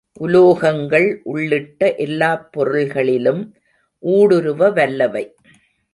உலோகங்கள் உள்ளிட்ட எல்லாப் பொருள்களிலும் ஊடுருவ வல்லவை.